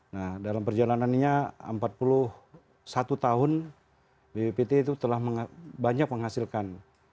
nah dalam perjalanannya empat puluh satu tahun bppt itu telah banyak menghasilkan